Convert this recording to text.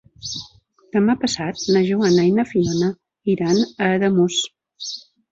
Demà passat na Joana i na Fiona iran a Ademús.